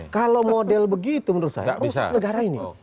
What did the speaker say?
kalau model begitu menurut saya rusak negara ini